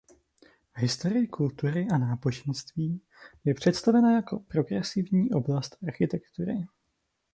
V historii kultury a náboženství je představena jako progresivní oblast architektury.